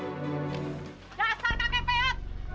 dasar sampai kepeat